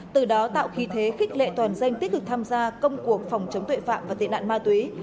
từ đó tạo khí thế khích lệ toàn dân tích cực tham gia công cuộc phòng chống tội phạm và tệ nạn ma túy